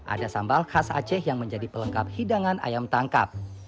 ada sambal khas aceh yang menjadi pelengkap hidangan ayam tangkap